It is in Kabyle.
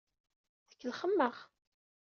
Tkellxem-aɣ.